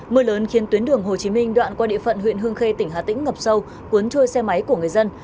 mưa lớn khiến tuyến đường hồ chí minh đoạn qua địa phận huyện hương khê tỉnh hà tĩnh ngập sâu cuốn trôi xe máy của người dân